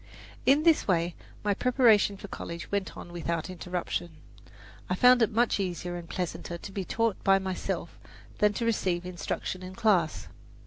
In this way my preparation for college went on without interruption. I found it much easier and pleasanter to be taught by myself than to receive instruction in class.